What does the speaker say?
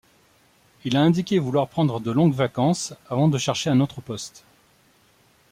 Il a indiqué vouloir prendre de longues vacances avant de chercher un autre poste.